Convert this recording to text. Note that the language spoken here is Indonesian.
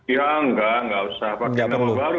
ya enggak enggak usah pakai nama baru